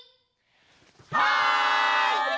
はい！